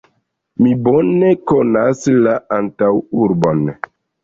Mi bone konas la antaŭurbon.